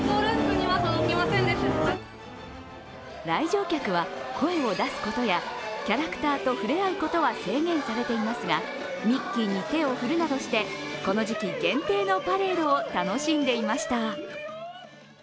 来場客は声を出すことやキャラクターと触れ合うことは制限されていますがミッキーに手を振るなどしてこの時期限定のパレードを楽しんでいました。